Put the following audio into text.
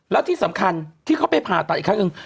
แล้วที่สำคัญที่เขาไปผ่าตัดอีกครั้งหนึ่ง